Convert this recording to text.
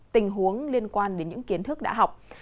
tình huống liên quan đến những kiến thức đã học